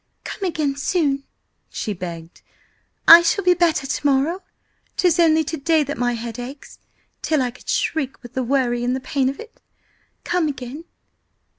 "Come again soon!" she begged. "I shall be better to morrow! 'Tis only to day that my head aches till I could shriek with the worry and the pain of it! Come again!"